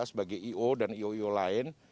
sebagai io dan io io lain